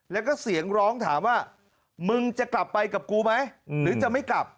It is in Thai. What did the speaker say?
แล้วก็เสียงร้องถามว่ามึงจะกลับไปกับกูไหมหรือจะไม่กลับ